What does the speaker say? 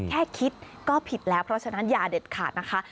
แค่คิดก็ผิดแล้วเพราะฉะนั้นอย่าเด็ดขาดนะคะ